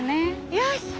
よし。